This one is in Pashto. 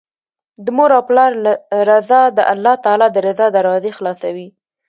د مور او پلار رضا د الله تعالی د رضا دروازې خلاصوي